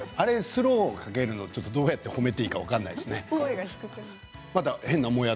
スローかけるの、どうやって褒めていいか分からないですね。